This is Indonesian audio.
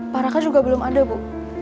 pak raka juga belum ada bu